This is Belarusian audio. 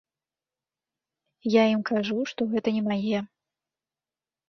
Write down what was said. Я ім кажу, што гэта не мае.